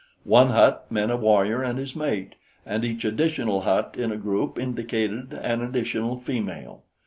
One hut meant a warrior and his mate, and each additional hut in a group indicated an additional female.